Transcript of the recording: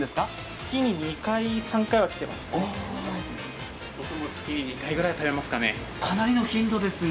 月に２回、３回は来ていますね。